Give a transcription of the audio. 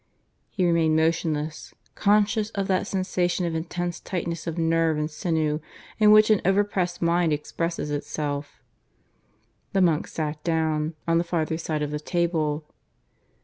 He remained motionless, conscious of that sensation of intense tightness of nerve and sinew in which an overpressed mind expresses itself. The monk sat down, on the farther side of the table.